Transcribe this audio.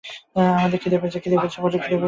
আমাদের খিদে পেয়েছে।